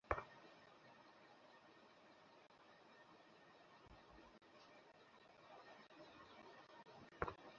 গতকাল বুধবার দুপুরে চট্টগ্রাম কেন্দ্রীয় কারাগার থেকে তিনি জামিনে ছাড়া পান।